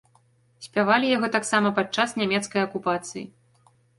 Спявалі яго таксама падчас нямецкай акупацыі.